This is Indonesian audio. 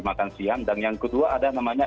makan siang dan yang kedua ada namanya